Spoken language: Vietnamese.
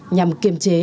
nhằm kiềm chế